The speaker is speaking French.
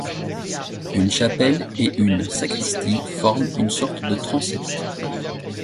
Une chapelle et une sacristie forment une sorte de transept.